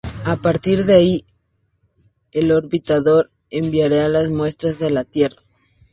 A partir de ahí, el orbitador enviaría las muestras a la Tierra.